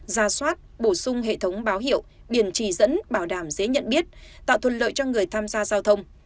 ra soát bổ sung hệ thống báo hiệu biển chỉ dẫn bảo đảm dễ nhận biết tạo thuận lợi cho người tham gia giao thông